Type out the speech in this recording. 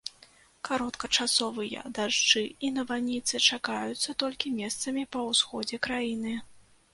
Кароткачасовыя дажджы і навальніцы чакаюцца толькі месцамі па ўсходзе краіны.